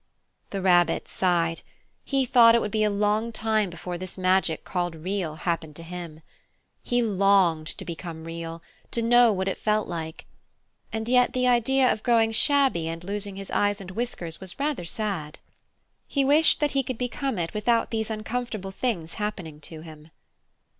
The Rabbit sighed. He thought it would be a long time before this magic called Real happened to him. He longed to become Real, to know what it felt like; and yet the idea of growing shabby and losing his eyes and whiskers was rather sad. He wished that he could become it without these uncomfortable things happening to him.